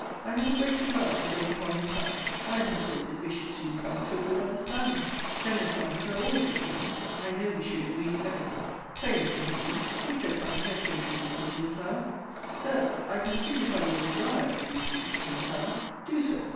I have a great desire to wait upon Miss Howe. I am persuaded we should soon come to a good understanding. Generous minds are always of kin. I know we should agree in every thing. Pray, Mr. Hickman, be so kind as to introduce me to Miss Howe. Sir I can signify your desire, if you please, to Miss Howe. Do so.